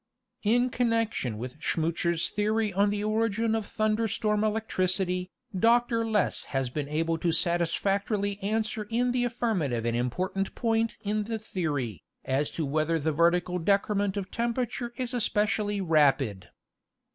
In connection with Schmucher's theory on the origin of thun der storm electricity, Dr. Less has been able to satisfactorily answer in the affirmative an important point in the theory, as to whether the vertical decrement of temperature is especially rapid.